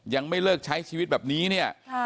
ยังไม่เลิกใช้ชีวิตแบบนี้เนี่ย